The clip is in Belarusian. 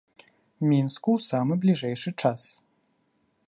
Мінску ў самы бліжэйшы час.